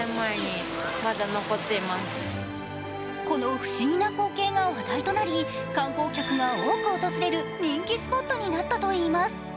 この不思議な光景が話題となり観光客が多く訪れる人気スポットになったといいます。